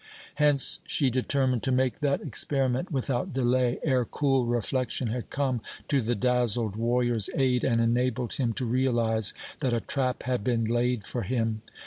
Hence she determined to make that experiment without delay, ere cool reflection had come to the dazzled warrior's aid and enabled him to realize that a trap had been laid for him.